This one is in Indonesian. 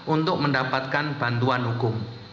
untuk mendapatkan bantuan hukum